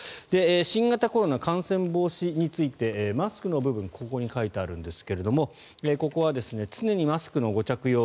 新型コロナ感染防止についてマスクの部分ここに書いてあるんですけれどここは常にマスクのご着用